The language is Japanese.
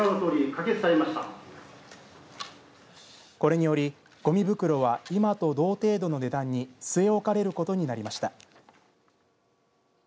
これにより、ごみ袋は今と同程度の値段に据え置かれることになりました。